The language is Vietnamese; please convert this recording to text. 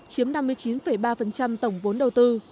chiếm năm mươi chín ba tổng vốn đầu tư